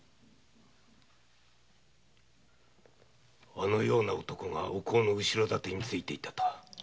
あのような男がお甲の後ろ盾についていたとは。